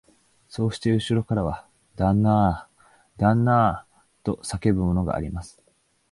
そしてうしろからは、旦那あ、旦那あ、と叫ぶものがあります